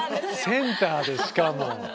センターでしかも。